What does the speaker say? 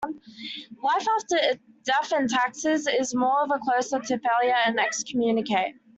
"Life After Death and Taxes" is more of a closer to "Failure to Excommunicate.